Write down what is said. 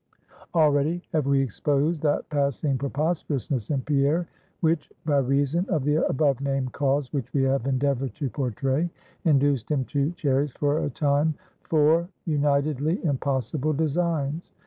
Already have we exposed that passing preposterousness in Pierre, which by reason of the above named cause which we have endeavored to portray, induced him to cherish for a time four unitedly impossible designs.